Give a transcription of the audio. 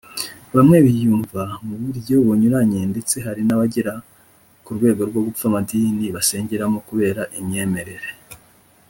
bamwe bayumva mu buryo bunyuranye ndetse hari n’abagera ku rwego rwo gupfa amadini basengeramo kubera imyemerere